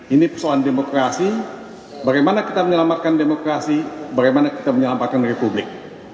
ini persoalan demokrasi bagaimana kita menyelamatkan demokrasi bagaimana kita menyelamatkan republik